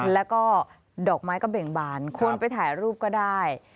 แล้วก็ดอกไม้ก็เบ่งบานควรไปถ่ายรูปก็ได้